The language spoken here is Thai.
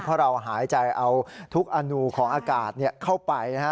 เพราะเราหายใจเอาทุกอนูของอากาศเข้าไปนะฮะ